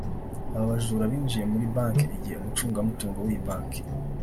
Aba bajura binjiye muri banki igihe umucungamutungo w’iyi banki